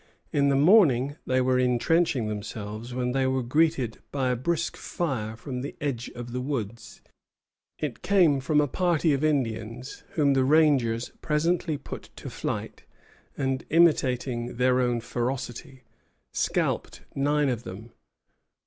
In the morning they were intrenching themselves, when they were greeted by a brisk fire from the edge of the woods. It came from a party of Indians, whom the rangers presently put to flight, and, imitating their own ferocity, scalped nine of them.